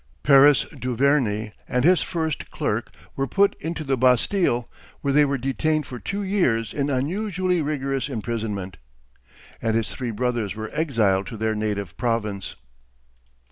Paris Duverney and his first clerk were put into the Bastille, where they were detained for two years in unusually rigorous imprisonment, and his three brothers were exiled to their native province.